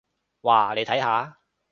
哇，你睇下！